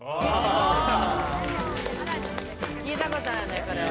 聞いたことあるねこれは。